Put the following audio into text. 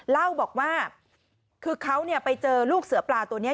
เล่าบอกว่าคือเขาไปเจอลูกเสือปลาตัวนี้